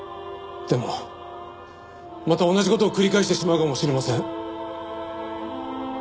でもまた同じ事を繰り返してしまうかもしれません。